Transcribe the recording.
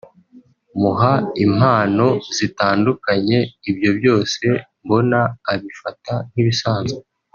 muha impano zitandukanye ibyo byose mbona abifata nk’ibisazwe